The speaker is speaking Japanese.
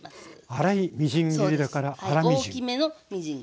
粗いみじん切りだから粗みじん。